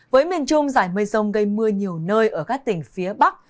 với miền trung giải mây rông gây mưa nhiều nơi ở các tỉnh phía bắc